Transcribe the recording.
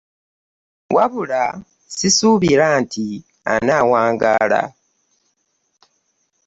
Wabula sisuubira nti anawangala .